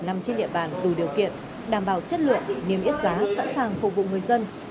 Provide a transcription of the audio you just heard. nằm trên địa bàn đủ điều kiện đảm bảo chất lượng niêm yết giá sẵn sàng phục vụ người dân